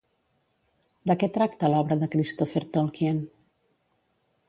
De què tracta l'obra de Christopher Tolkien?